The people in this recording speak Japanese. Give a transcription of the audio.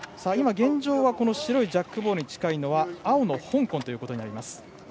現状はジャックボールに近いのは青の香港ということになります。